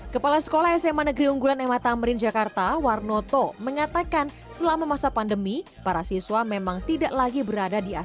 kepala sekolah sma negeri unggulan mh tamrin jakarta warnoto mengatakan selama masa pandemi para siswa memang tidak lagi berada di asrama